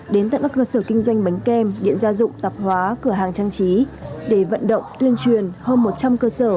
đến tận các cơ sở kinh doanh bánh kem điện gia dụng tạp hóa cửa hàng trang trí để vận động tuyên truyền hơn một trăm linh cơ sở